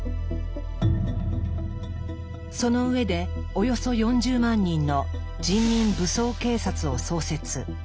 その上でおよそ４０万人の「人民武装警察」を創設。